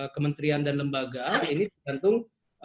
kementerian dan lembaga ini tergantung